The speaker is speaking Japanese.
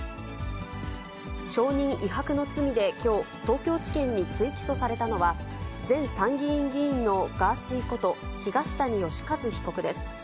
証人威迫の罪できょう、東京地検に追起訴されたのは、前参議院議員のガーシーこと東谷義和被告です。